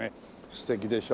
素敵でしょ。